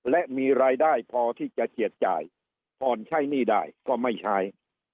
และมีรายได้พอที่จะเจียดจ่ายผ่อนใช้หนี้ได้ก็ไม่ใช้